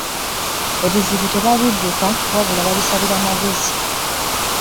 Ebizibu tebabidduka wabula babisalira magezi.